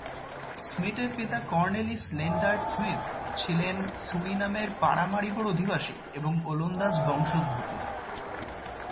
স্মিটের পিতা কর্নেলিস লেন্ডার্ট স্মিট ছিলেন সুরিনামের পারামারিবোর অধিবাসী এবং ওলন্দাজ বংশোদ্ভূত।